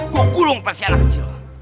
gua gulung persian ahjil